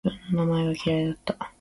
自分の名前が嫌いだった